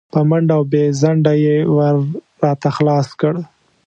په منډه او بې ځنډه یې ور راته خلاص کړ.